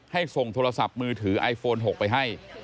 ส่งโทรศัพท์มือถือไอโฟน๖ไปให้